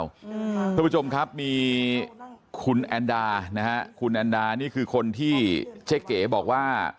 สวัสดีครับมีคุณแอนดานี่คือคนที่เจ๊เก๋บอกว่า